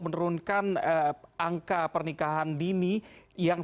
menurunkan angka pernikahan dini yang